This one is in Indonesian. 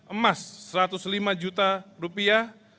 emas satu ratus lima juta rupiah